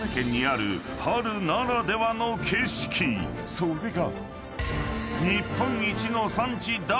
［それが］